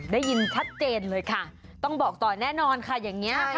ได้ยินชัดเจนเลยค่ะต้องบอกต่อแน่นอนค่ะอย่างนี้